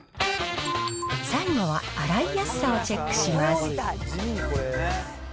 最後は洗いやすさをチェックします。